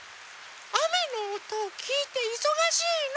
あめのおとをきいていそがしいの。